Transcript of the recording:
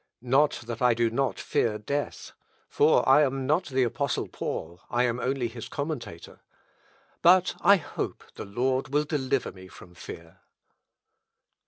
Not that I do not fear death, (for I am not the Apostle Paul, I am only his commentator;) but I hope the Lord will deliver me from fear."